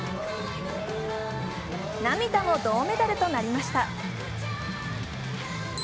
涙の銅メダルとなりました。